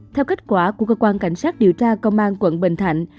theo kết quả của cơ quan cảnh sát điều tra công an quận bình thạnh